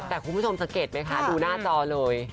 แต่คุณผู้ชมสังเกตไหมคะดูหน้าจอเลย